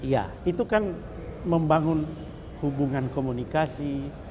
ya itu kan membangun hubungan komunikasi